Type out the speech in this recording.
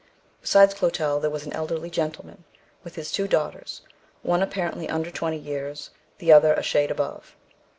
Besides Clotel, there was an elderly gentleman with his two daughters one apparently under twenty years, the other a shade above.